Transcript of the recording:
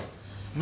何？